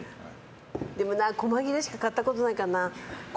でもな、細切れしか買ったことないからな。